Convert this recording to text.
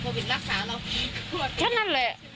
เกิดว่าจะต้องมาตั้งโรงพยาบาลสนามตรงนี้